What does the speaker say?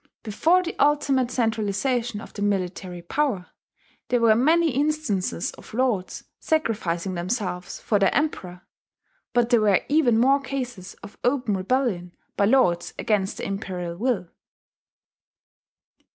Before the ultimate centralization of the military power, there were many instances of lords sacrificing themselves for their emperor; but there were even more cases of open rebellion by lords against the imperial will.